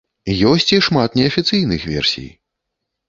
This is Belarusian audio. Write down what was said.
Ёсць і шмат неафіцыйных версій.